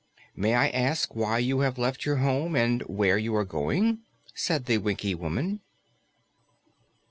"May I ask why you have left your home and where you are going?" said the Winkie woman.